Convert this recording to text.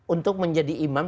untuk menjadi imam